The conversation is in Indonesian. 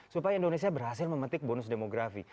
supaya indonesia berhasil memetik bonus demografi